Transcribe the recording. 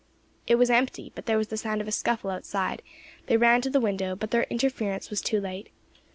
It was empty, but there was the sound of a scuffle outside; they ran to the window, but their interference was too late.